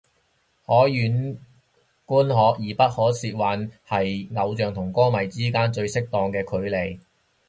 可遠觀而不可褻玩係偶像同歌迷之間最適當嘅距離